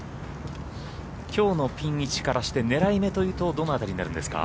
きょうのピン位置からして狙い目というとどの辺りになるんですか？